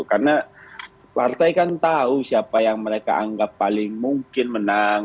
karena partai kan tahu siapa yang mereka anggap paling mungkin menang